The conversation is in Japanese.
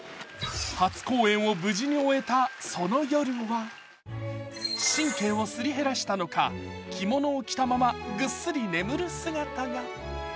初公演を無事に終えたその夜は神経をすり減らしたのか着物を着たままぐっすり眠る姿が。